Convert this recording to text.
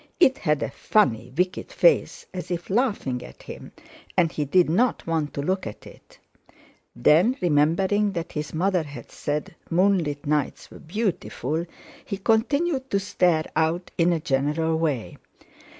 It had a funny, wicked face, as if laughing at him, and he did not want to look at it. Then, remembering that his mother had said moonlit nights were beautiful, he continued to stare out in a general way.